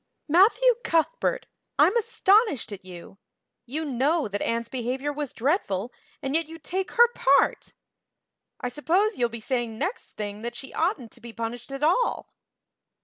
"Matthew Cuthbert, I'm astonished at you. You know that Anne's behavior was dreadful, and yet you take her part! I suppose you'll be saying next thing that she oughtn't to be punished at all!"